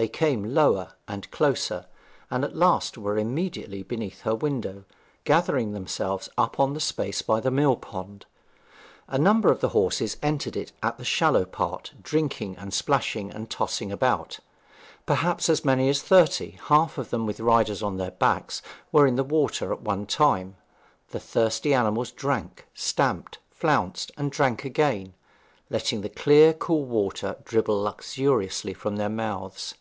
They came lower and closer, and at last were immediately beneath her window, gathering themselves up on the space by the mill pond. A number of the horses entered it at the shallow part, drinking and splashing and tossing about. Perhaps as many as thirty, half of them with riders on their backs, were in the water at one time; the thirsty animals drank, stamped, flounced, and drank again, letting the clear, cool water dribble luxuriously from their mouths.